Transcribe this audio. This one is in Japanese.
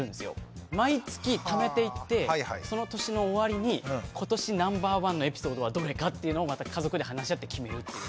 毎月ためていってその年の終わりに今年ナンバーワンのエピソードはどれかっていうのをまた家族で話し合って決めるっていう。